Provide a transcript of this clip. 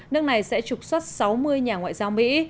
nước này sẽ trục xuất sáu mươi nhà ngoại giao mỹ